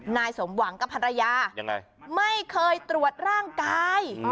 นายสมหวังกับภรรยายังไงไม่เคยตรวจร่างกาย